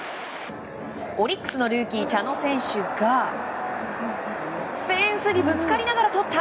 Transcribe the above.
オリックスのルーキー茶野選手がフェンスにぶつかりながらとった。